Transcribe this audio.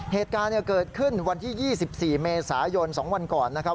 เหตุการณ์เกิดขึ้นวันที่๒๔เมษายน๒วันก่อนนะครับ